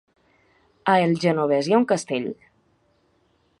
A el Genovés hi ha un castell?